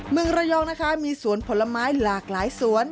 เมืองระยองนะคะมีสวนผลไม้หลากหลายสวน